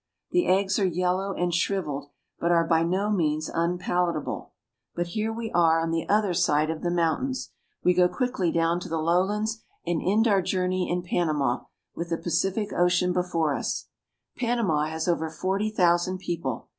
The eggs are yellow and shriveled, but are by no means unpalatable. 28 ISTHMUS OF PANAMA. But here we are on the other side of the mountains. We go quickly down to the lowlands, and end our journey in Panama, with the Pacific Ocean before us. Panama has over forty thousand people.